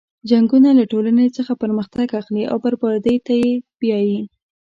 جنګونه له ټولنې څخه پرمختګ اخلي او بربادۍ ته یې بیایي.